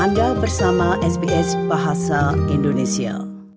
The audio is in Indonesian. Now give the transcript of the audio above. anda bersama sbs bahasa indonesia